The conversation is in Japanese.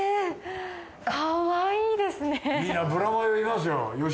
かわいいですね。